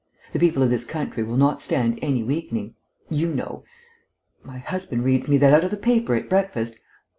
The people of this country will not stand any weakening ... you know.... My husband reads me that out of the paper at breakfast....